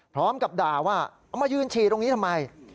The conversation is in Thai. พร้อมกับด่าว่าเอามายืนฉี่ตรงนี้ทำไม